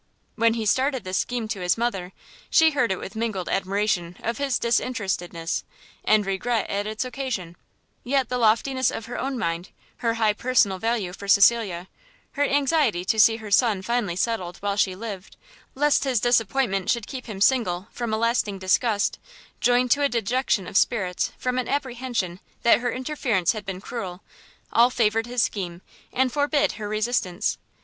When he started this scheme to his mother, she heard it with mingled admiration of his disinterestedness, and regret at its occasion: yet the loftiness of her own mind, her high personal value for Cecilia, her anxiety to see her son finally settled while she lived, lest his disappointment should keep him single from a lasting disgust, joined to a dejection of spirits from an apprehension that her interference had been cruel, all favoured his scheme, and forbid her resistance.